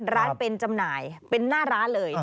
ร้านเป็นจำหน่ายเป็นหน้าร้านเลย